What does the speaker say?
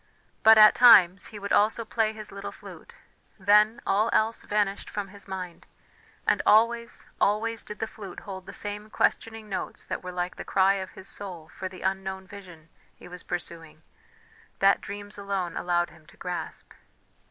But at times he would also play his little flute; then, all else vanished from his mind, and always, always did the flute hold the same questioning notes that were like the cry of his soul for the unknown vision he was pursuing, that dreams alone allowed him to grasp.